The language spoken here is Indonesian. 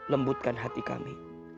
lembutkan hati kami